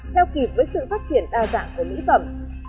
theo kịp với sự phát triển đa dạng của mỹ phẩm